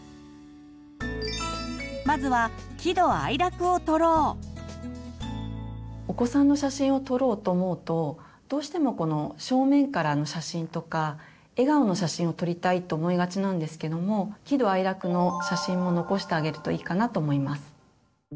まずはお子さんの写真を撮ろうと思うとどうしてもこの正面からの写真とか笑顔の写真を撮りたいと思いがちなんですけども喜怒哀楽の写真も残してあげるといいかなと思います。